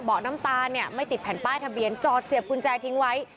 น้ำตาลเนี่ยไม่ติดแผ่นป้ายทะเบียนจอดเสียบกุญแจทิ้งไว้